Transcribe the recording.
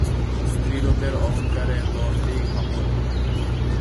স্ত্রীলোকের অহংকারে এত অল্পেই ঘা পড়ে।